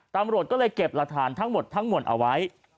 ตำรวจก็เลยเก็บรฐานทั้งหมดเอาไว้